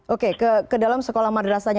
oke ke dalam sekolah madrasahnya